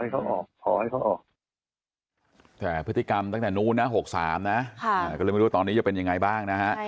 ก็คือขอให้เขาออก